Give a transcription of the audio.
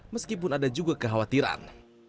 meskipun ada juga kekhawatiran